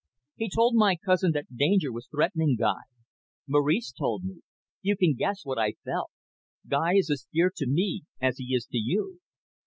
He told my cousin that danger was threatening Guy. Maurice told me. You can guess what I felt. Guy is as dear to me as he is to you."